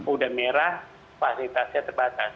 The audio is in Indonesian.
udah merah fasilitasnya terbatas